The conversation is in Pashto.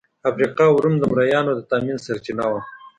افریقا او روم د مریانو د تامین سرچینه وه.